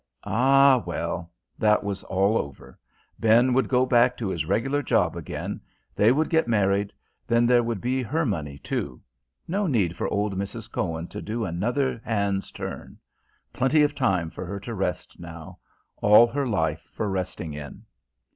Ah, well; that was all over: Ben would go back to his regular job again; they would get married; then there would be her money, too: no need for old Mrs. Cohen to do another hand's turn. Plenty of time for her to rest now: all her life for resting in.